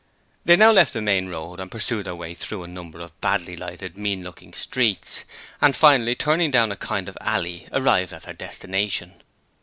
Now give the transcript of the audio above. They now left the main road and pursued their way through a number of badly lighted, mean looking streets, and finally turning down a kind of alley, arrived at their destination.